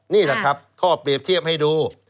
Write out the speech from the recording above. นี่แหละครับข้อเปรียบเทียบให้ดู